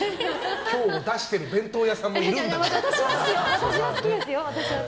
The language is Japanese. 今日出してる弁当屋さんもいるんだから。